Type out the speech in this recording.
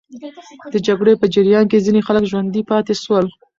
د جګړې په جریان کې ځینې خلک ژوندي پاتې سول.